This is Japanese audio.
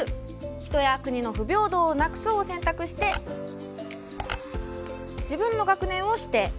「人や国の不平等をなくそう」を選択して自分の学年を指定！